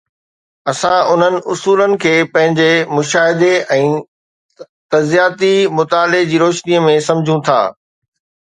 اسان انهن اصولن کي پنهنجي مشاهدي ۽ تجزياتي مطالعي جي روشنيءَ ۾ سمجهون ٿا